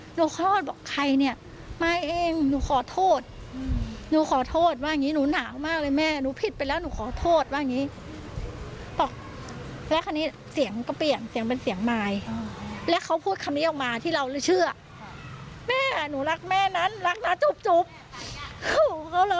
คลอดบอกใครเนี่ยมายเองหนูขอโทษหนูขอโทษว่าอย่างงี้หนูหนาวมากเลยแม่หนูผิดไปแล้วหนูขอโทษว่าอย่างนี้บอกแล้วคราวนี้เสียงก็เปลี่ยนเสียงเป็นเสียงมายและเขาพูดคำนี้ออกมาที่เราเชื่อแม่หนูรักแม่นั้นรักนะจุ๊บจุ๊บ